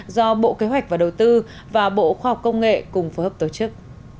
do bộ kế hoạch và đầu tư và bộ khoa học công nghệ cùng phối hợp tổ chức